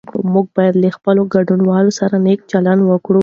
موږ باید له خپلو ګاونډیانو سره نېک چلند وکړو.